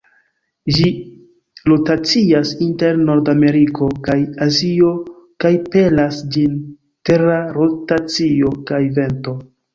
Ĝi rotacias inter Nord-Ameriko kaj Azio kaj pelas ĝin Tera rotacio kaj vento.